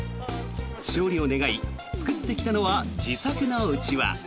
勝利を願い、作ってきたのは自作のうちわ。